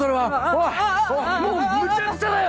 もうむちゃくちゃだよ！